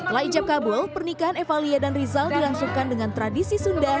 setelah ijab kabul pernikahan evalia dan rizal dilangsungkan dengan tradisi sunda